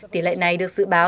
tỷ lệ này được dự báo